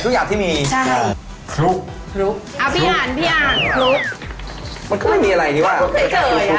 เมื่อนี้เราก็ต้องล้างเอาเครื่องในเอาอะไรออกไป